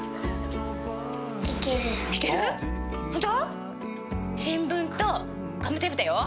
ホント？